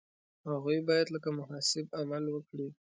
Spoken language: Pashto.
هغوی باید لکه محاسب عمل وکړي.